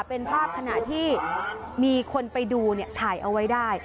เป็นภาพขณะที่มีคนไปดูถ่ายเอาไว้ได้